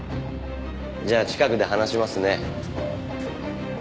じゃあ近くで話しますね。